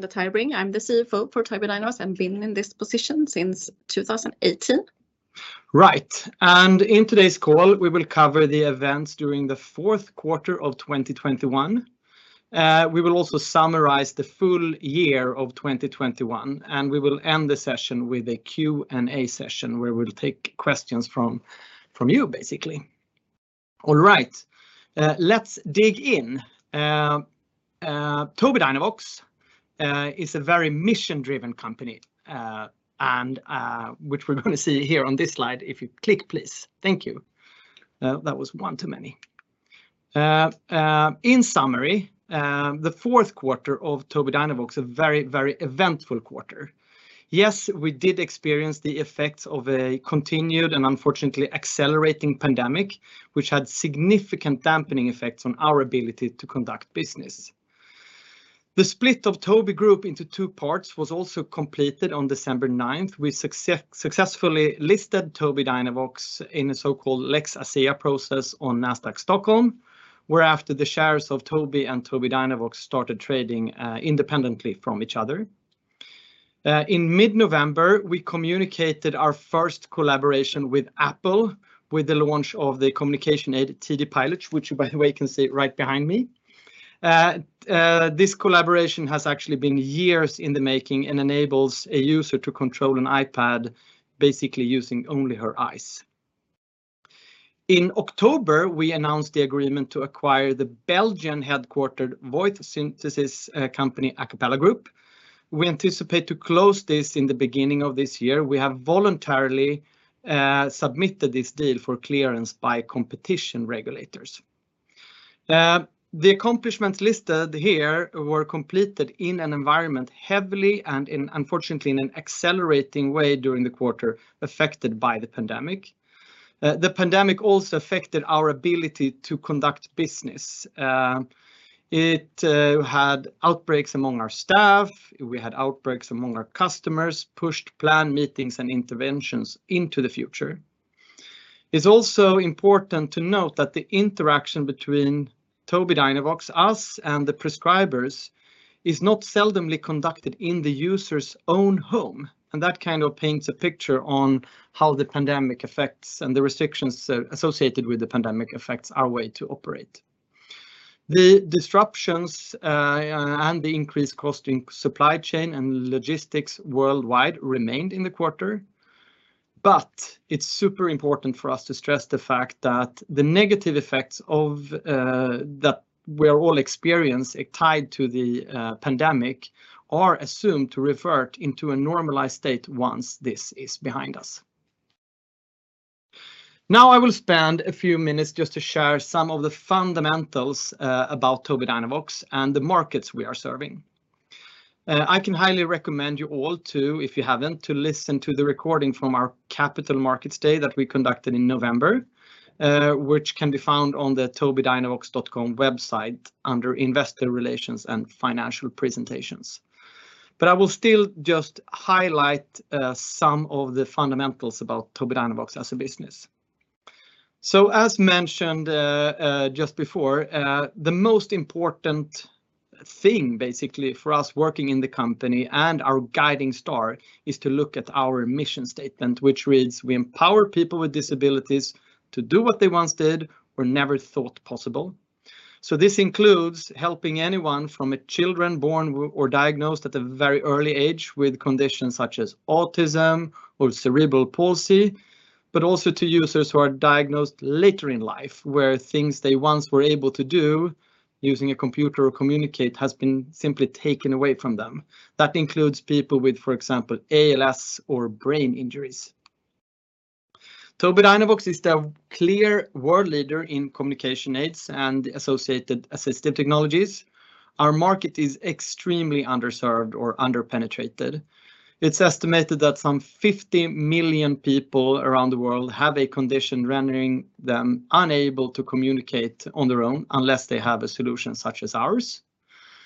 Linda Tybring. I'm the CFO for Tobii Dynavox. I've been in this position since 2018. Right. In today's call, we will cover the events during the fourth quarter of 2021. We will also summarize the full year of 2021, and we will end the session with a Q and A session, where we'll take questions from you, basically. All right. Let's dig in. Tobii Dynavox is a very mission-driven company, which we're gonna see here on this slide if you click, please. Thank you. That was one too many. In summary, the fourth quarter of Tobii Dynavox, a very eventful quarter. Yes, we did experience the effects of a continued and, unfortunately, accelerating pandemic, which had significant dampening effects on our ability to conduct business. The split of Tobii Group into two parts was also completed on December 9th. We successfully listed Tobii Dynavox in a so-called Lex Asea process on Nasdaq Stockholm, whereafter the shares of Tobii and Tobii Dynavox started trading independently from each other. In mid-November, we communicated our first collaboration with Apple with the launch of the communication aid TD Pilot, which by the way you can see right behind me. This collaboration has actually been years in the making and enables a user to control an iPad basically using only her eyes. In October, we announced the agreement to acquire the Belgian-headquartered voice synthesis company Acapela Group. We anticipate to close this in the beginning of this year. We have voluntarily submitted this deal for clearance by competition regulators. The accomplishments listed here were completed in an environment heavily impacted, unfortunately, in an accelerating way during the quarter affected by the pandemic. The pandemic also affected our ability to conduct business. It had outbreaks among our staff. We had outbreaks among our customers that pushed planned meetings and interventions into the future. It's also important to note that the interaction between Tobii Dynavox, us, and the prescribers is not seldomly conducted in the user's own home, and that kind of paints a picture on how the pandemic affects and the restrictions associated with the pandemic affect our way to operate. The disruptions and the increased costs in supply chain and logistics worldwide remained in the quarter, but it's super important for us to stress the fact that the negative effects of the things we're all experiencing tied to the pandemic are assumed to revert into a normalized state once this is behind us. Now I will spend a few minutes just to share some of the fundamentals about Tobii Dynavox and the markets we are serving. I can highly recommend you all to, if you haven't, to listen to the recording from our Capital Markets Day that we conducted in November, which can be found on the tobiidynavox.com website under Investor Relations and Financial Presentations. I will still just highlight some of the fundamentals about Tobii Dynavox as a business. As mentioned, just before, the most important thing basically for us working in the company and our guiding star is to look at our mission statement, which reads, "We empower people with disabilities to do what they once did or never thought possible." This includes helping anyone from children born with or diagnosed at a very early age with conditions such as autism or cerebral palsy, but also to users who are diagnosed later in life, where things they once were able to do using a computer or communicate has been simply taken away from them. That includes people with, for example, ALS or brain injuries. Tobii Dynavox is the clear world leader in communication aids and associated assistive technologies. Our market is extremely underserved or under-penetrated. It's estimated that some 50 million people around the world have a condition rendering them unable to communicate on their own unless they have a solution such as ours.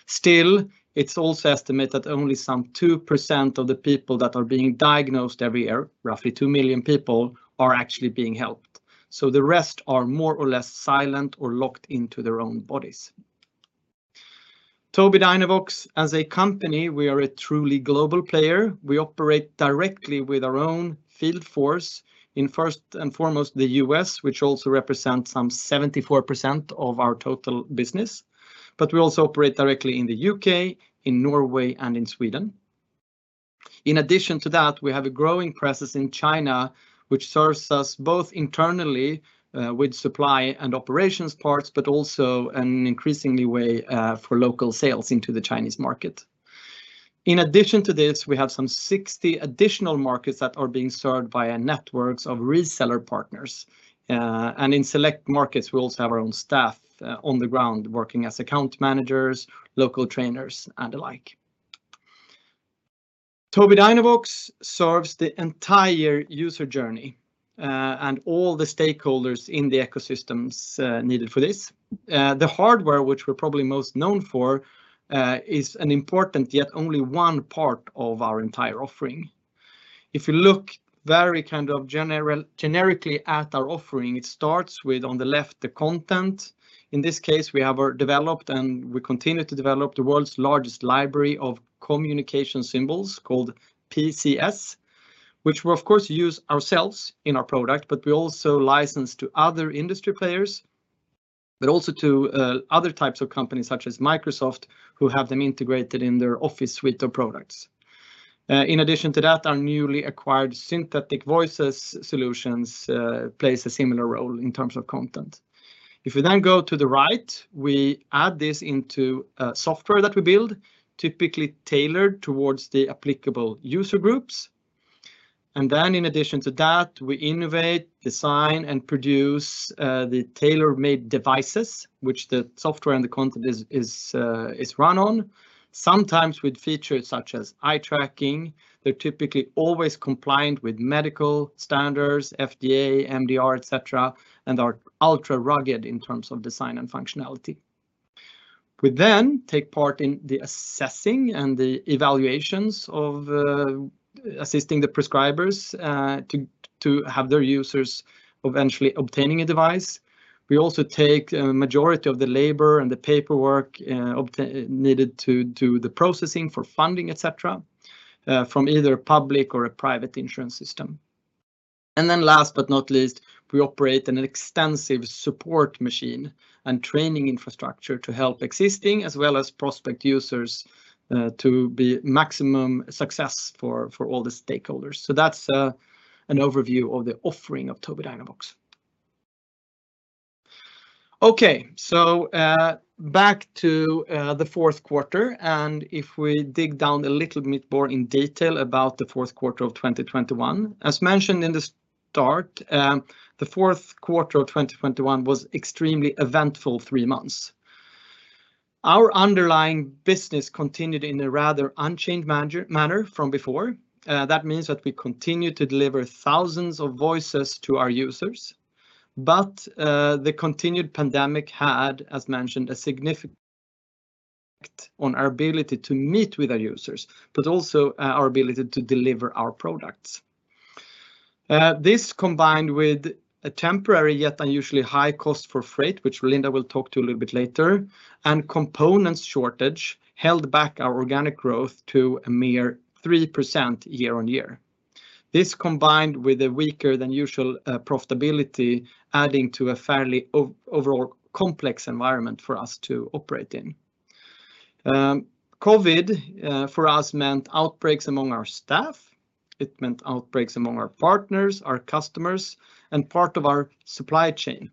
Still, it's also estimated only some 2% of the people that are being diagnosed every year, roughly 2 million people, are actually being helped. The rest are more or less silent or locked into their own bodies. Tobii Dynavox, as a company, we are a truly global player. We operate directly with our own field force in first and foremost the U.S., which also represents some 74% of our total business, but we also operate directly in the U.K., in Norway, and in Sweden. In addition to that, we have a growing presence in China, which serves us both internally, with supply and operations parts, but also an increasingly way, for local sales into the Chinese market. In addition to this, we have some 60 additional markets that are being served by a network of reseller partners. In select markets, we also have our own staff on the ground working as account managers, local trainers, and the like. Tobii Dynavox serves the entire user journey and all the stakeholders in the ecosystems needed for this. The hardware, which we're probably most known for, is an important, yet only one part of our entire offering. If you look very kind of generically at our offering, it starts with, on the left, the content. In this case, we have developed and we continue to develop the world's largest library of communication symbols called PCS, which we, of course, use ourselves in our product, but we also license to other industry players, but also to other types of companies such as Microsoft, who have them integrated in their Microsoft 365 of products. In addition to that, our newly acquired synthetic voices solutions plays a similar role in terms of content. If you then go to the right, we add this into software that we build, typically tailored towards the applicable user groups. In addition to that, we innovate, design, and produce the tailor-made devices which the software and the content is run on, sometimes with features such as eye tracking. They're typically always compliant with medical standards, FDA, MDR, et cetera, and are ultra-rugged in terms of design and functionality. We then take part in the assessing and the evaluations of assisting the prescribers to have their users eventually obtaining a device. We also take a majority of the labor and the paperwork needed to do the processing for funding, et cetera, from either a public or a private insurance system. Then last but not least, we operate an extensive support machine and training infrastructure to help existing as well as prospective users to be maximum success for all the stakeholders. That's an overview of the offering of Tobii Dynavox. Okay. Back to the fourth quarter, and if we dig down a little bit more in detail about the fourth quarter of 2021. As mentioned in the start, the fourth quarter of 2021 was extremely eventful three months. Our underlying business continued in a rather unchanged manner from before. That means that we continued to deliver thousands of voices to our users. The continued pandemic had, as mentioned, a significant effect on our ability to meet with our users, but also our ability to deliver our products. This combined with a temporary yet unusually high cost for freight, which Linda will talk to a little bit later, and components shortage held back our organic growth to a mere 3% year-on-year. This combined with a weaker than usual profitability, adding to a fairly overall complex environment for us to operate in. COVID for us meant outbreaks among our staff. It meant outbreaks among our partners, our customers, and part of our supply chain.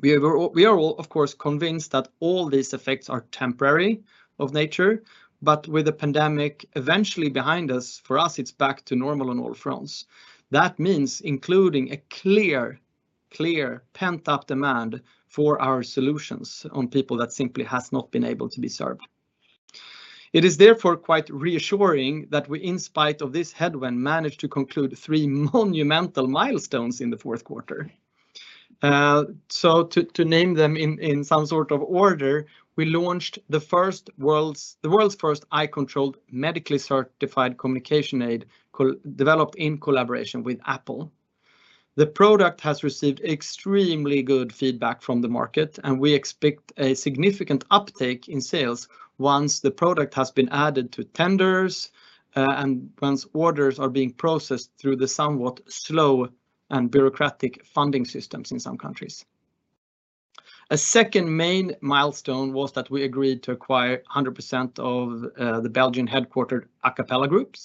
We are all, of course, convinced that all these effects are temporary in nature. With the pandemic eventually behind us, for us, it's back to normal on all fronts. That means including a clear pent-up demand for our solutions on people that simply has not been able to be served. It is therefore quite reassuring that we, in spite of this headwind, managed to conclude three monumental milestones in the fourth quarter. To name them in some sort of order, we launched the world's first eye-controlled, medically certified communication aid called, developed in collaboration with Apple. The product has received extremely good feedback from the market, and we expect a significant uptake in sales once the product has been added to tenders, and once orders are being processed through the somewhat slow and bureaucratic funding systems in some countries. A second main milestone was that we agreed to acquire 100% of the Belgian-headquartered Acapela Group.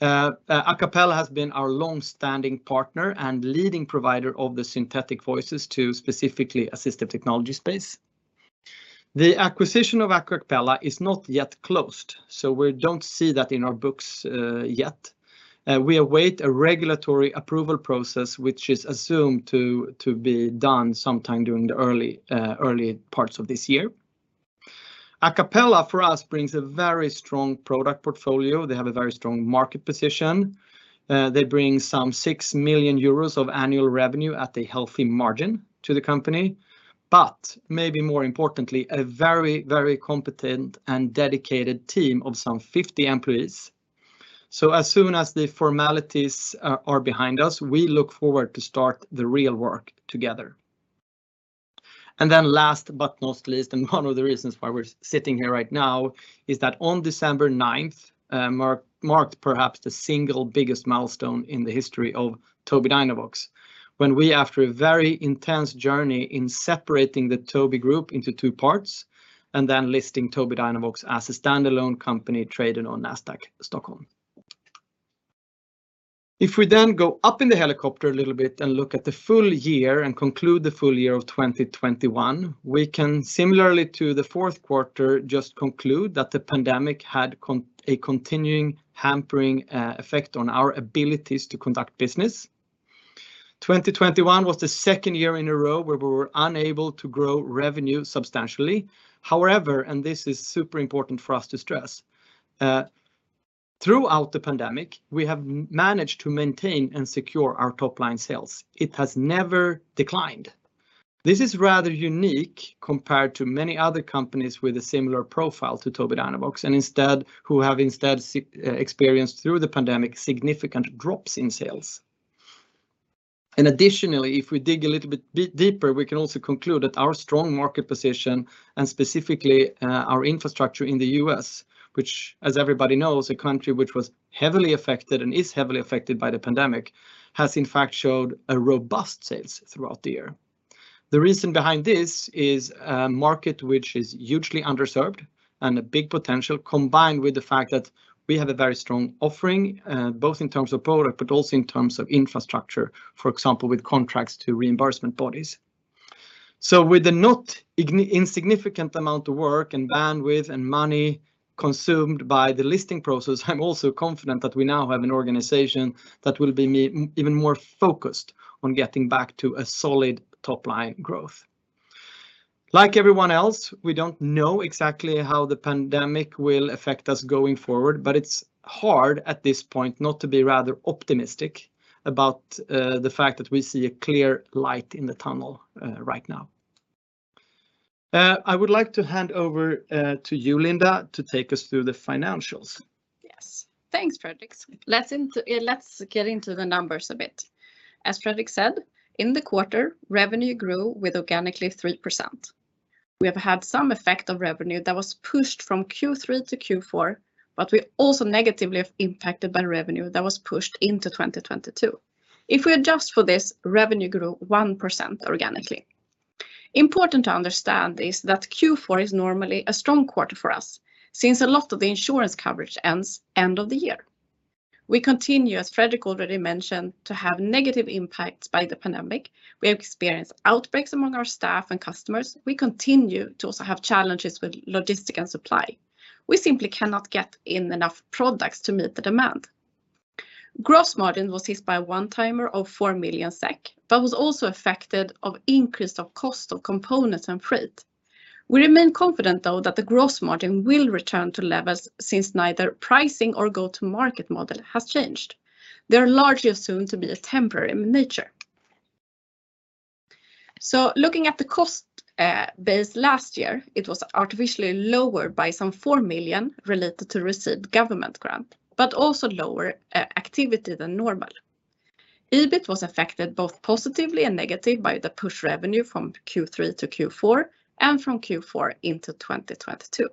Acapela has been our long-standing partner and leading provider of the synthetic voices to specifically assistive technology space. The acquisition of Acapela is not yet closed, so we don't see that in our books yet. We await a regulatory approval process which is assumed to be done sometime during the early parts of this year. Acapela, for us, brings a very strong product portfolio. They have a very strong market position. They bring some 6 million euros of annual revenue at a healthy margin to the company, but maybe more importantly, a very, very competent and dedicated team of some 50 employees. As soon as the formalities are behind us, we look forward to start the real work together. Last but not least, and one of the reasons why we're sitting here right now is that on December 9th, marked perhaps the single biggest milestone in the history of Tobii Dynavox when we, after a very intense journey in separating the Tobii Group into two parts, and then listing Tobii Dynavox as a standalone company trading on Nasdaq Stockholm. If we then go up in the helicopter a little bit and look at the full year and conclude the full year of 2021, we can similarly to the fourth quarter just conclude that the pandemic had a continuing hampering effect on our abilities to conduct business. 2021 was the second year in a row where we were unable to grow revenue substantially. However, and this is super important for us to stress, throughout the pandemic, we have managed to maintain and secure our top-line sales. It has never declined. This is rather unique compared to many other companies with a similar profile to Tobii Dynavox, and who have experienced through the pandemic significant drops in sales. Additionally, if we dig a little bit deeper, we can also conclude that our strong market position, and specifically, our infrastructure in the U.S., which as everybody knows, a country which was heavily affected and is heavily affected by the pandemic, has in fact showed a robust sales throughout the year. The reason behind this is a market which is hugely underserved and a big potential, combined with the fact that we have a very strong offering, both in terms of product, but also in terms of infrastructure, for example, with contracts to reimbursement bodies. With the not insignificant amount of work and bandwidth and money consumed by the listing process, I'm also confident that we now have an organization that will be even more focused on getting back to a solid top line growth. Like everyone else, we don't know exactly how the pandemic will affect us going forward, but it's hard at this point not to be rather optimistic about the fact that we see a clear light in the tunnel right now. I would like to hand over to you, Linda, to take us through the financials. Yes. Thanks, Fredrik. Let's get into the numbers a bit. As Fredrik said, in the quarter, revenue grew organically 3%. We have had some effect of revenue that was pushed from Q3 to Q4, but we were also negatively impacted by revenue that was pushed into 2022. If we adjust for this, revenue grew 1% organically. Important to understand is that Q4 is normally a strong quarter for us since a lot of the insurance coverage ends at end of the year. We continue, as Fredrik already mentioned, to have negative impacts by the pandemic. We have experienced outbreaks among our staff and customers. We continue to also have challenges with logistics and supply. We simply cannot get in enough products to meet the demand. Gross margin was hit by a one-timer of 4 million SEK, but was also affected by increase of cost of components and freight. We remain confident though that the gross margin will return to levels since neither pricing or go-to-market model has changed. They are largely assumed to be of temporary in nature. Looking at the cost base last year, it was artificially lower by some 4 million related to received government grant, but also lower activity than normal. EBIT was affected both positively and negative by the pushed revenue from Q3 to Q4 and from Q4 into 2022.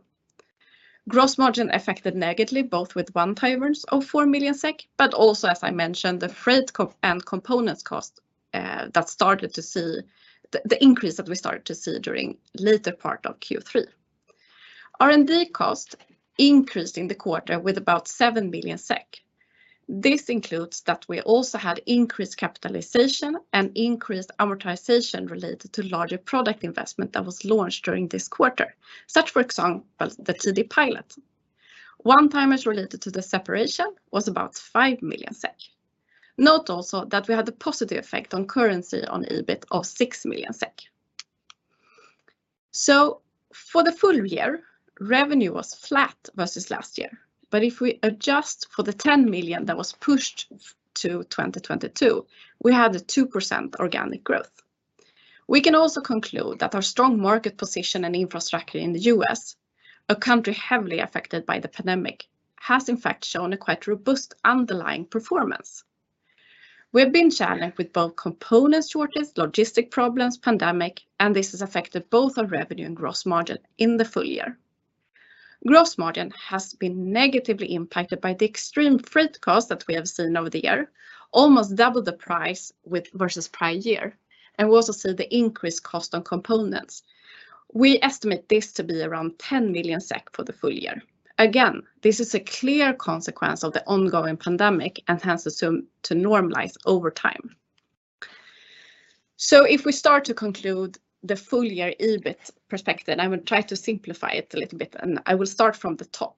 Gross margin affected negatively both with one-timers of 4 million SEK, but also, as I mentioned, the freight costs and components costs that started to see the increase that we started to see during later part of Q3. R&D cost increased in the quarter with about 7 million SEK. This includes that we also had increased capitalization and increased amortization related to larger product investment that was launched during this quarter, such as, for example, the TD Pilot. One-timers related to the separation was about 5 million SEK. Note also that we had a positive effect on currency on EBIT of 6 million SEK. For the full year, revenue was flat versus last year. If we adjust for the 10 million that was pushed to 2022, we have the 2% organic growth. We can also conclude that our strong market position and infrastructure in the U.S., a country heavily affected by the pandemic, has in fact shown a quite robust underlying performance. We have been challenged with both component shortage, logistic problems, pandemic, and this has affected both our revenue and gross margin in the full year. Gross margin has been negatively impacted by the extreme freight costs that we have seen over the year, almost double the price we had versus prior year, and we also see the increased costs on components. We estimate this to be around 10 million SEK for the full year. Again, this is a clear consequence of the ongoing pandemic and hence assumed to normalize over time. If we start to conclude the full-year EBIT perspective, I will try to simplify it a little bit, and I will start from the top.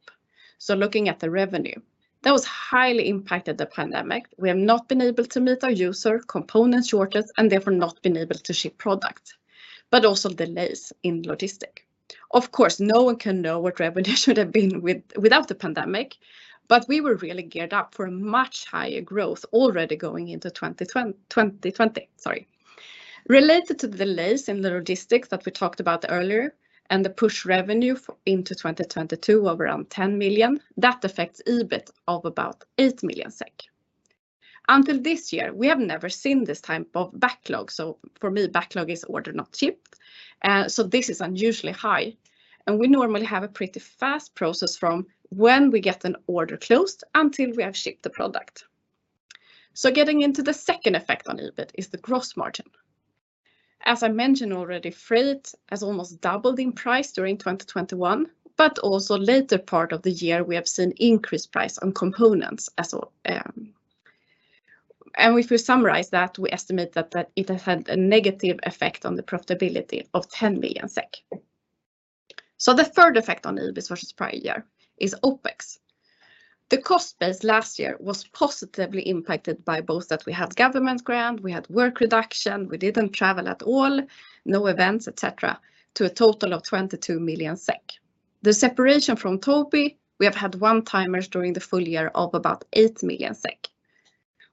Looking at the revenue, that was highly impacted by the pandemic. We have not been able to, due to component shortage, and therefore not been able to ship products, but also delays in logistics. Of course, no one can know what revenue should have been without the pandemic, but we were really geared up for a much higher growth already going into 2020. Related to delays in the logistics that we talked about earlier and the pushed revenue into 2022 of around 10 million, that affects EBIT of about 8 million SEK. Until this year, we have never seen this type of backlog. For me, backlog is order not shipped, so this is unusually high, and we normally have a pretty fast process from when we get an order closed until we have shipped the product. Getting into the second effect on EBIT is the gross margin. As I mentioned already, freight has almost doubled in price during 2021, but also later part of the year, we have seen increased price on components as well. If we summarize that, we estimate that it has had a negative effect on the profitability of 10 million SEK. The third effect on EBIT versus prior year is OpEx. The cost base last year was positively impacted by both that we had government grant, we had work reduction, we didn't travel at all, no events, et cetera, to a total of 22 million SEK. The separation from Tobii, we have had one-timers during the full year of about 8 million SEK.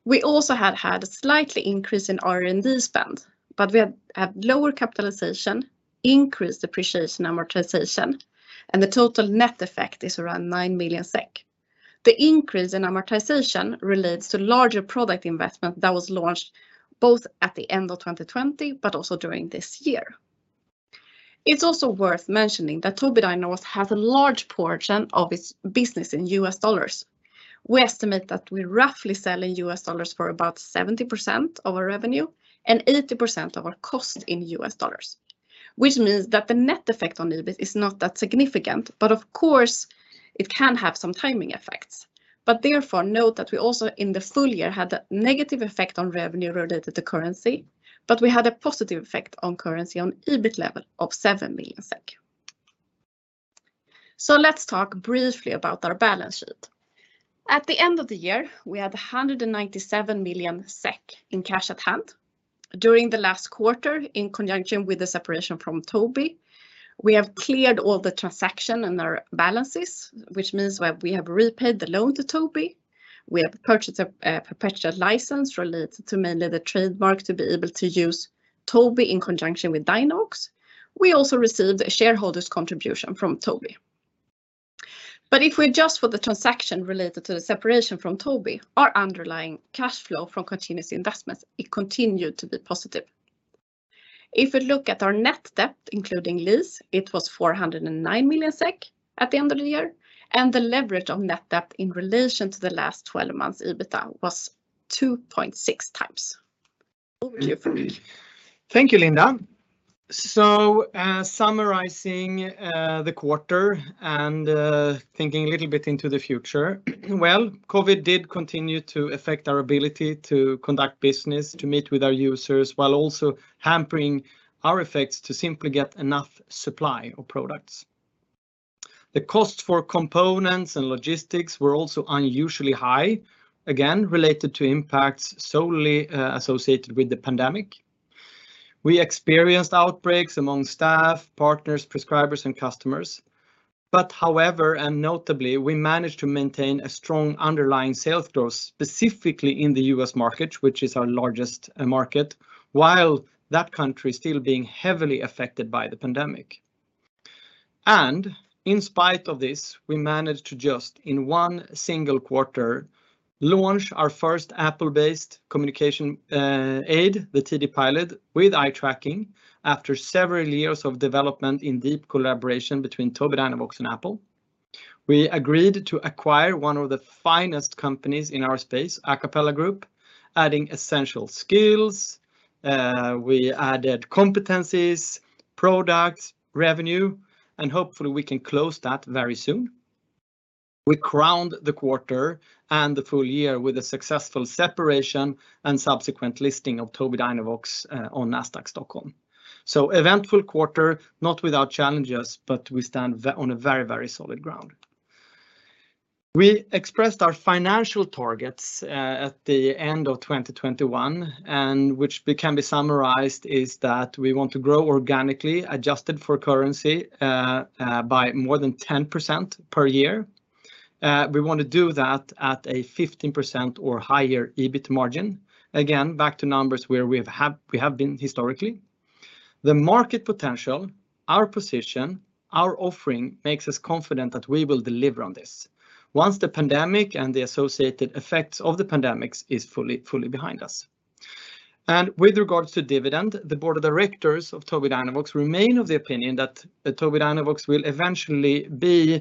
We also have had a slight increase in R&D spend, but we have lower capitalization, increased depreciation amortization, and the total net effect is around 9 million SEK. The increase in amortization relates to larger product investment that was launched both at the end of 2020, but also during this year. It's also worth mentioning that Tobii Dynavox has a large portion of its business in US dollars. We estimate that we roughly sell in US dollars for about 70% of our revenue and 80% of our cost in US dollars, which means that the net effect on EBIT is not that significant, but of course, it can have some timing effects. Therefore, note that we also, in the full year, had a negative effect on revenue related to currency, but we had a positive effect on currency on EBIT level of 7 million SEK. Let's talk briefly about our balance sheet. At the end of the year, we had 197 million SEK in cash at hand. During the last quarter, in conjunction with the separation from Tobii, we have cleared all the transactions and our balances, which means we have repaid the loan to Tobii. We have purchased a perpetual license related to mainly the trademark to be able to use Tobii in conjunction with Dynavox. We also received a shareholder's contribution from Tobii. If we adjust for the transaction related to the separation from Tobii, our underlying cash flow from continuous investments, it continued to be positive. If we look at our net debt, including lease, it was 409 million SEK at the end of the year, and the leverage of net debt in relation to the last 12 months EBITA was 2.6x. Over to you, Fredrik. Thank you, Linda. Summarizing the quarter and thinking a little bit into the future, well, COVID did continue to affect our ability to conduct business, to meet with our users, while also hampering our efforts to simply get enough supply of products. The cost for components and logistics were also unusually high, again, related to impacts solely associated with the pandemic. We experienced outbreaks among staff, partners, prescribers, and customers. However, and notably, we managed to maintain a strong underlying sales growth, specifically in the U.S. market, which is our largest market, while that country is still being heavily affected by the pandemic. In spite of this, we managed to just, in one single quarter, launch our first Apple-based communication aid, the TD Pilot, with eye tracking after several years of development in deep collaboration between Tobii Dynavox and Apple. We agreed to acquire one of the finest companies in our space, Acapela Group, adding essential skills. We added competencies, products, revenue, and hopefully we can close that very soon. We crowned the quarter and the full year with a successful separation and subsequent listing of Tobii Dynavox on Nasdaq Stockholm. Eventful quarter, not without challenges, but we stand on a very, very solid ground. We expressed our financial targets at the end of 2021, and which can be summarized is that we want to grow organically, adjusted for currency, by more than 10% per year. We wanna do that at a 15% or higher EBIT margin. Again, back to numbers where we have had, we have been historically. The market potential, our position, our offering makes us confident that we will deliver on this once the pandemic and the associated effects of the pandemics is fully behind us. With regards to dividend, the board of directors of Tobii Dynavox remain of the opinion that Tobii Dynavox will eventually be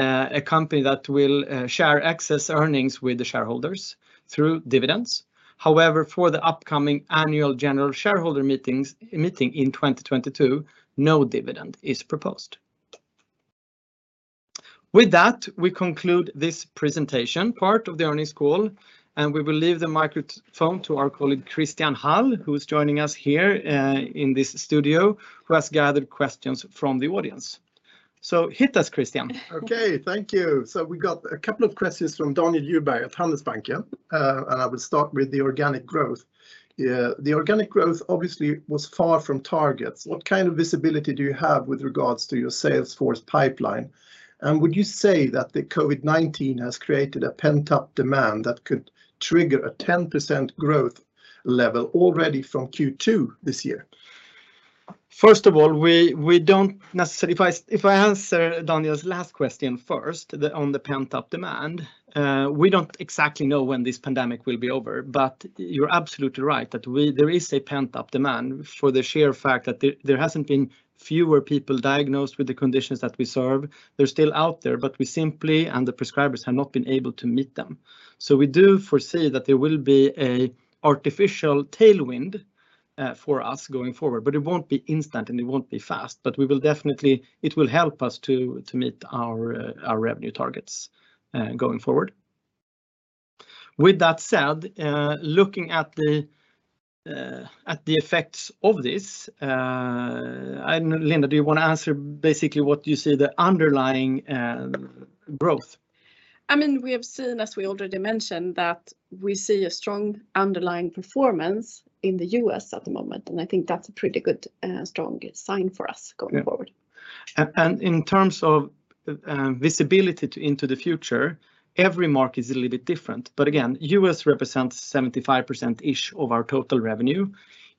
a company that will share excess earnings with the shareholders through dividends. However, for the upcoming annual general shareholder meeting in 2022, no dividend is proposed. With that, we conclude this presentation part of the earnings call, and we will leave the microphone to our colleague, Christian Hall, who is joining us here in this studio, who has gathered questions from the audience. Hit us, Christian. Okay, thank you. We got a couple of questions from Daniel Djurberg at Handelsbanken. I will start with the organic growth. The organic growth obviously was far from targets. What kind of visibility do you have with regards to your sales force pipeline? Would you say that the COVID-19 has created a pent-up demand that could trigger a 10% growth level already from Q2 this year? First of all, we don't necessarily. If I answer Daniel Djurberg's last question first, on the pent-up demand, we don't exactly know when this pandemic will be over. You're absolutely right that there is a pent-up demand for the sheer fact that there hasn't been fewer people diagnosed with the conditions that we serve. They're still out there, but we simply, and the prescribers, have not been able to meet them. We do foresee that there will be an artificial tailwind for us going forward, but it won't be instant, and it won't be fast. We will definitely, it will help us to meet our revenue targets going forward. With that said, looking at the effects of this, I don't know, Linda, do you wanna answer basically what you see the underlying growth? I mean, we have seen, as we already mentioned, that we see a strong underlying performance in the U.S. at the moment, and I think that's a pretty good strong sign for us going forward. In terms of the visibility into the future, every market is a little bit different. Again, U.S. represents 75%-ish of our total revenue.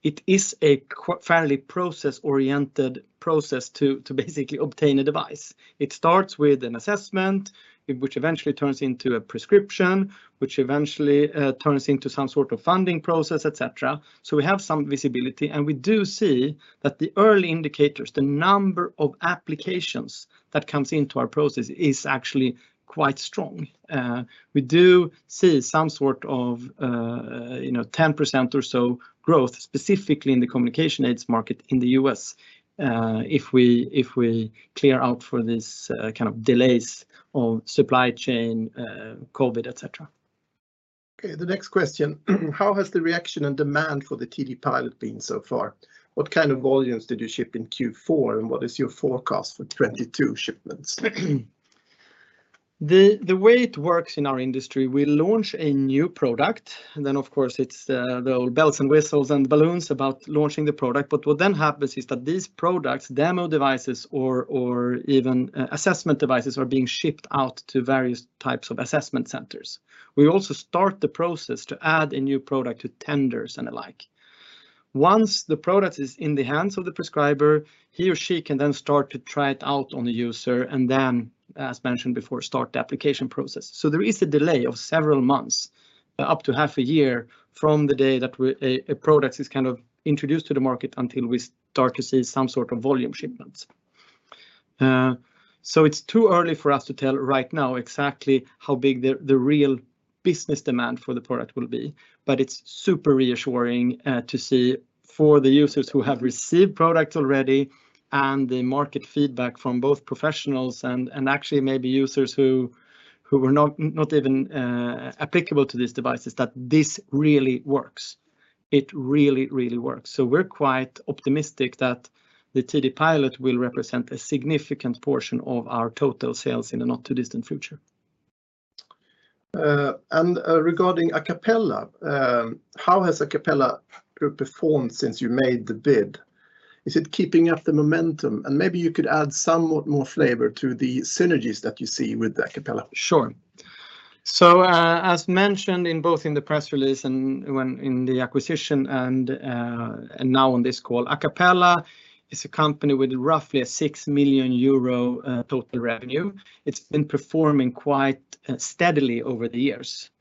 It is a fairly process-oriented process to basically obtain a device. It starts with an assessment, which eventually turns into a prescription, which eventually turns into some sort of funding process, et cetera. We have some visibility, and we do see that the early indicators, the number of applications that comes into our process, is actually quite strong. We do see some sort of you know, 10% or so growth, specifically in the communication aids market in the U.S., if we account for this kind of supply chain delays, COVID, et cetera. Okay, the next question, "How has the reaction and demand for the TD Pilot been so far? What kind of volumes did you ship in Q4 and what is your forecast for 2022 shipments? The way it works in our industry, we launch a new product, then of course it's the whole bells and whistles and balloons about launching the product. What then happens is that these products, demo devices or even assessment devices, are being shipped out to various types of assessment centers. We also start the process to add a new product to tenders and the like. Once the product is in the hands of the prescriber, he or she can then start to try it out on the user, and then, as mentioned before, start the application process. There is a delay of several months, up to half a year, from the day that a product is kind of introduced to the market until we start to see some sort of volume shipments. It's too early for us to tell right now exactly how big the real business demand for the product will be, but it's super reassuring to see for the users who have received products already and the market feedback from both professionals and actually maybe users who were not even applicable to these devices, that this really works. It really works. We're quite optimistic that the TD Pilot will represent a significant portion of our total sales in the not-too-distant future. Regarding Acapela, how has Acapela performed since you made the bid? Is it keeping up the momentum? Maybe you could add somewhat more flavor to the synergies that you see with Acapela. Sure. As mentioned in both the press release and the acquisition and now on this call, Acapela is a company with roughly 6 million euro total revenue. It's been performing quite steadily over the years.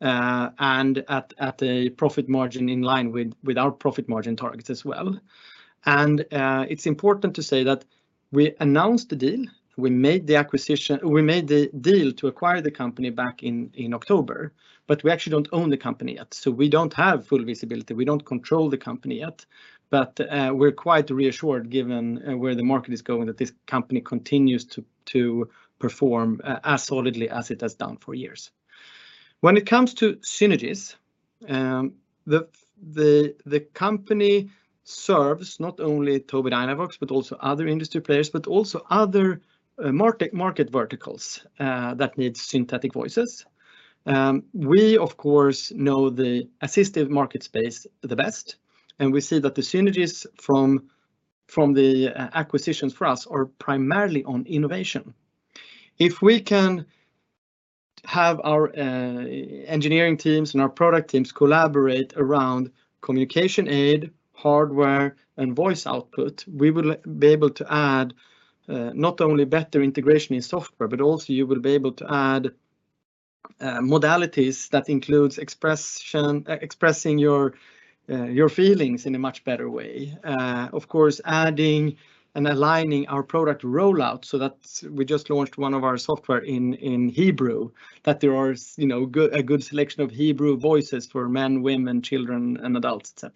At a profit margin in line with our profit margin targets as well. It's important to say that we announced the deal, we made the acquisition, the deal to acquire the company back in October, but we actually don't own the company yet, so we don't have full visibility. We don't control the company yet. We're quite reassured given where the market is going, that this company continues to perform as solidly as it has done for years. When it comes to synergies, the company serves not only Tobii Dynavox but also other industry players and other market verticals that need synthetic voices. We of course know the assistive market space the best, and we see that the synergies from the acquisitions for us are primarily on innovation. If we can have our engineering teams and our product teams collaborate around communication aid, hardware, and voice output, we will be able to add not only better integration in software, but also you will be able to add modalities that includes expressing your feelings in a much better way. Of course, adding and aligning our product rollout, so that's, we just launched one of our software in Hebrew, that there are, you know, a good selection of Hebrew voices for men, women, children, and adults, et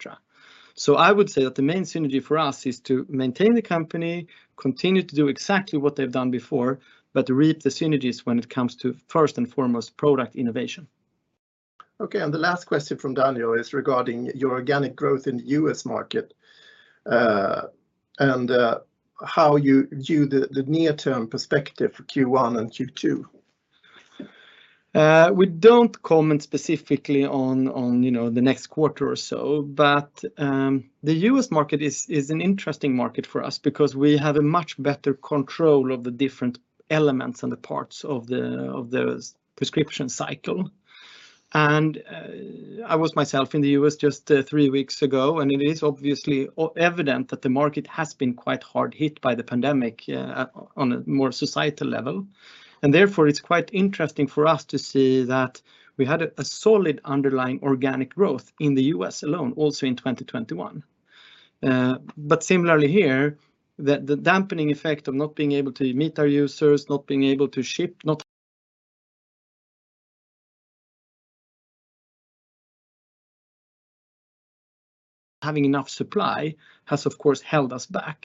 cetera. I would say that the main synergy for us is to maintain the company, continue to do exactly what they've done before, but reap the synergies when it comes to first and foremost product innovation. Okay, the last question from Daniel is regarding your organic growth in the U.S. market, and how you view the near-term perspective for Q1 and Q2. We don't comment specifically on, you know, the next quarter or so, but the U.S. market is an interesting market for us because we have a much better control of the different elements and the parts of the prescription cycle. I was myself in the U.S. just three weeks ago, and it is obviously evident that the market has been quite hard hit by the pandemic on a more societal level. Therefore it's quite interesting for us to see that we had a solid underlying organic growth in the U.S. alone, also in 2021. But similarly here, the dampening effect of not being able to meet our users, not being able to ship, not having enough supply, has of course held us back.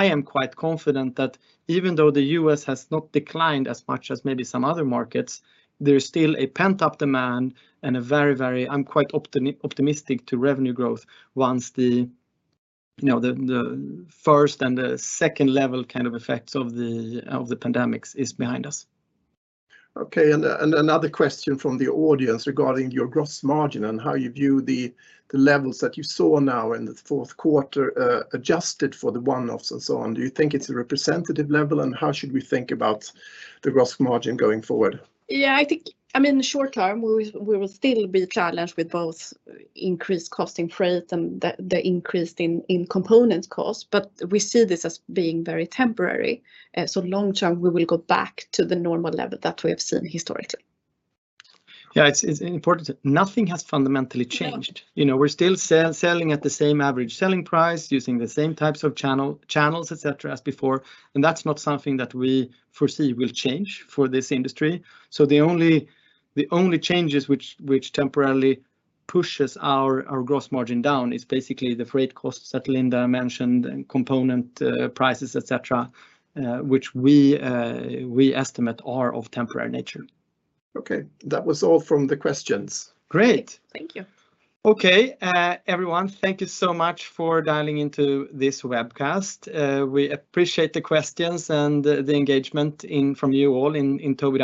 I am quite confident that even though the U.S. has not declined as much as maybe some other markets, there's still a pent-up demand, and I'm quite optimistic to revenue growth once you know, the first and the second level kind of effects of the pandemic is behind us. Okay, another question from the audience regarding your gross margin and how you view the levels that you saw now in the fourth quarter, adjusted for the one-offs and so on. Do you think it's a representative level, and how should we think about the gross margin going forward? Yeah, I think, I mean, the short term, we will still be challenged with both increased cost in freight and the increase in components cost, but we see this as being very temporary. Long term we will go back to the normal level that we have seen historically. Nothing has fundamentally changed. No. You know, we're still selling at the same average selling price, using the same types of channels, et cetera, as before, and that's not something that we foresee will change for this industry. The only changes which temporarily pushes our gross margin down is basically the freight costs that Linda mentioned and component prices, et cetera, which we estimate are of temporary nature. Okay. That was all from the questions. Great. Thank you. Okay. Everyone, thank you so much for dialing into this webcast. We appreciate the questions and the engagement from you all in Tobii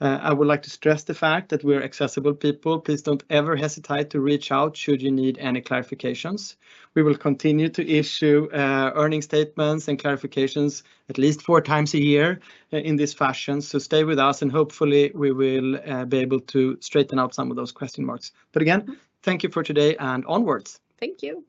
Dynavox. I would like to stress the fact that we're accessible people. Please don't ever hesitate to reach out should you need any clarifications. We will continue to issue earnings statements and clarifications at least four times a year in this fashion, so stay with us and hopefully we will be able to straighten out some of those question marks. Again, thank you for today, and onwards. Thank you.